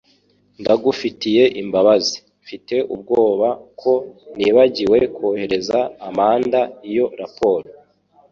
Ndagufitiye imbabazi - Mfite ubwoba ko nibagiwe kohereza Amanda iyo raporo